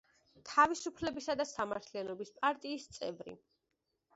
თავისუფლებისა და სამართლიანობის პარტიის წევრი.